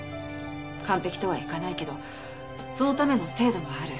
完璧とはいかないけどそのための制度もある。